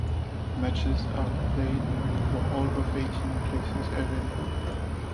Matches are played for all of eighteen places available.